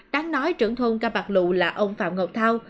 đáng nói trưởng thôn ca bạc lụ là ông phạm ngọc thao